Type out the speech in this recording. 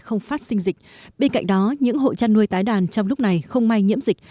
không phát sinh dịch bên cạnh đó những hộ chăn nuôi tái đàn trong lúc này không may nhiễm dịch